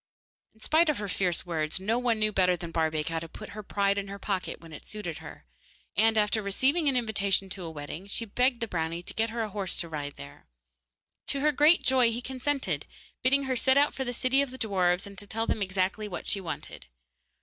In spite of her fierce words, no one knew better than Barbaik how to put her pride in her pocket when it suited her, and after receiving an invitation to a wedding, she begged the brownie to get her a horse to ride there. To her great joy he consented, bidding her set out for the city of the dwarfs and to tell them exactly what she wanted.